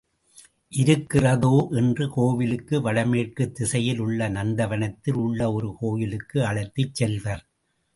இருக்கிறதே என்று கோவிலுக்கு வடமேற்கு திசையில் உள்ள நந்தவனத்தில் உள்ள ஒரு கோயிலுக்கு அழைத்துச் செல்வர்.